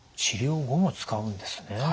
治療後も使うんですね。